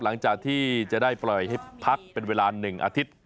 หลังจากที่จะได้ปล่อยให้พักเป็นเวลา๑อาทิตย์